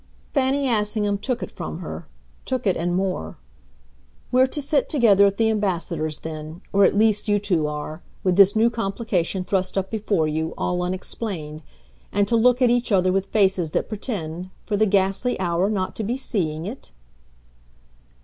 Fanny Assingham took it from her, took it and more. "We're to sit together at the Ambassador's then or at least you two are with this new complication thrust up before you, all unexplained; and to look at each other with faces that pretend, for the ghastly hour, not to be seeing it?"